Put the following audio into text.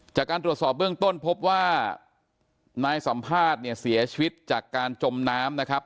จากการตรวจสอบเบื้องต้นพบว่านายสัมภาษณ์เนี่ยเสียชีวิตจากการจมน้ำนะครับ